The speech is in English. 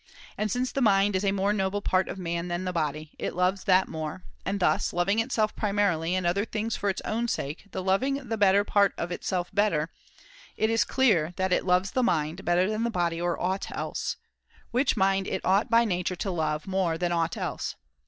And since the mind is a more noble part of man than the body, it loves that more ; and thus, loving itself primarily and other things for its own sake, and loving the better part of itself better, it is clear that it loves the mind [^So] better than the body or aught else ; which mind it ought by nature to love more than aught else.